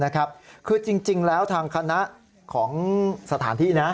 คือจริงแล้วทางคณะของสถานที่นะ